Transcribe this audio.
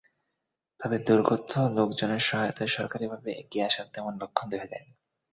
তবে দুর্গত লোকজনের সহায়তায় সরকারিভাবে এগিয়ে আসার তেমন লক্ষণ দেখা যায়নি।